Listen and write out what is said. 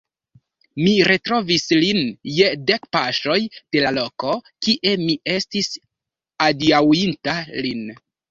Mi retrovis lin je dek paŝoj de la loko, kie mi estis adiaŭinta lin.